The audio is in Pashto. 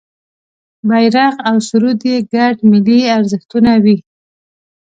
بېرغ او سرود یې ګډ ملي ارزښتونه وي.